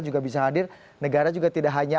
juga bisa hadir negara juga tidak hanya